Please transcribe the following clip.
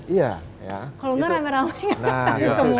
iya kalau enggak rame rame